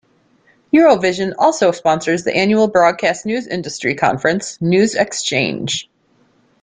Eurovision also sponsors the annual broadcast news industry conference, News Xchange.